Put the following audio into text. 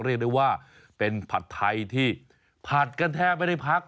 เรียกได้ว่าเป็นผัดไทยที่ผัดกันแทบไม่ได้พัก